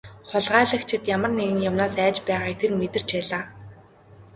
Хулгайлагчид ямар нэгэн юмнаас айж байгааг тэр мэдэрч байлаа.